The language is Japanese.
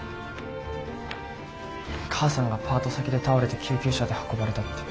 母さんがパート先で倒れて救急車で運ばれたって。